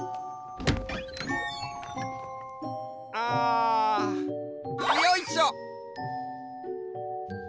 あよいしょっ！